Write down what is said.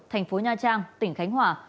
thành phố nha trang tỉnh khánh hòa